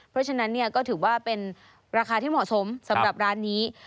เพราะฉะนั้นก็ถือว่าเป็นราคาที่เหมาะสมสำหรับร้านนี้